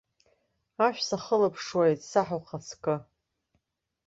Ашә сахылаԥшуеит, саҳ ухаҵкы.